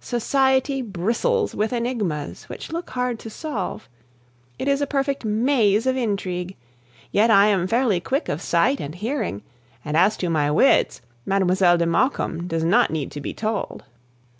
Society bristles with enigmas which look hard to solve. It is a perfect maze of intrigue. Yet I am fairly quick of sight and hearing, and as to my wits, Mlle. de Maucombe does not need to be told!